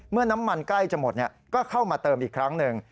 น้ำมันใกล้จะหมดก็เข้ามาเติมอีกครั้งหนึ่ง